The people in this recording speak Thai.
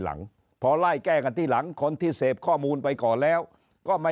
หลังพอไล่แก้กันทีหลังคนที่เสพข้อมูลไปก่อนแล้วก็ไม่